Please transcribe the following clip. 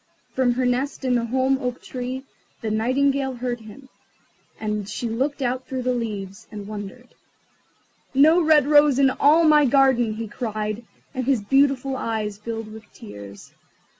From her nest in the holm oak tree the Nightingale heard him, and she looked out through the leaves, and wondered. "No red rose in all my garden!" he cried, and his beautiful eyes filled with tears.